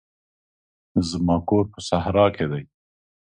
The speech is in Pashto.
زما کور په صحرا کښي دی.